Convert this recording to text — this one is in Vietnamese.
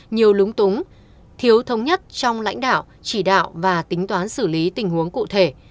nhiều lúng túng thiếu thống nhất trong lãnh đạo chỉ đạo và tính toán xử lý tình huống cụ thể